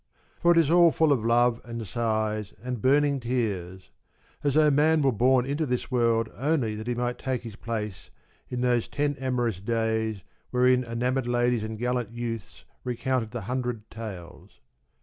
For it is all full of love and sighs and burning tears ; as though man were born into this world only that he might take his place in those ten amorous Days wherein enamoured ladies and gallant youths recounted the hundred Tales.